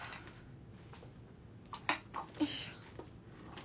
よいしょ。